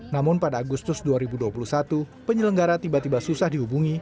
namun pada agustus dua ribu dua puluh satu penyelenggara tiba tiba susah dihubungi